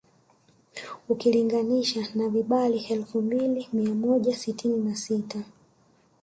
Ukilinganisha na vibali elfu mbili mia moja sitini na sita